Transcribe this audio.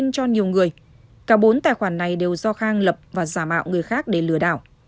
cả bốn tài khoản này đều do khang lập và giả mạo người khác để lừa đảo